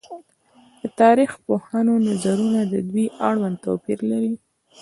د تاريخ پوهانو نظرونه د دوی اړوند توپير لري